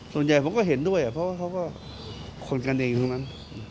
ส่วนใหญ่ผมก็เห็นด้วยเพราะว่าเขาก็คนกันเองทั้งนั้น